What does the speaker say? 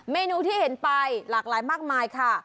เมนูที่เห็นไปหลากหลายมากมายค่ะ